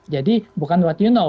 jadi bukan apa yang anda tahu